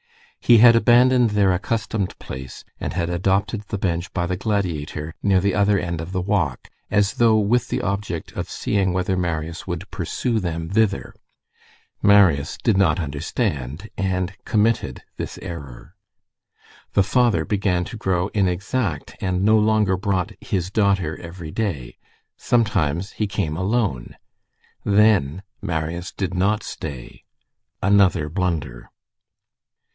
He had abandoned their accustomed place and had adopted the bench by the Gladiator, near the other end of the walk, as though with the object of seeing whether Marius would pursue them thither. Marius did not understand, and committed this error. "The father" began to grow inexact, and no longer brought "his daughter" every day. Sometimes, he came alone. Then Marius did not stay. Another blunder.